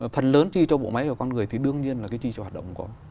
phần lớn chi cho bộ máy và con người thì đương nhiên là cái chi cho hoạt động có